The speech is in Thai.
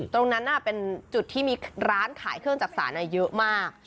ตรงนั้นเป็นจุดที่มีร้านขายเครื่องจักษานเยอะมาก